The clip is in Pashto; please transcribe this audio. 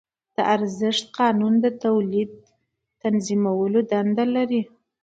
د ارزښت قانون د تولید تنظیمولو دنده لري